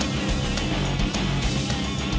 dengar alek semuanya